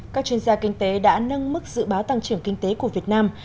các chuyên gia kinh tế đã nâng mức dự báo tăng trưởng kinh tế của việt nam